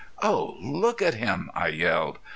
"Oh! look at him!" I yelled.